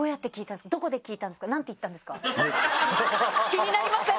気になりません？